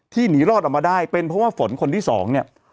หนีรอดออกมาได้เป็นเพราะว่าฝนคนที่สองเนี่ย